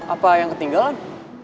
apa yang ketinggalan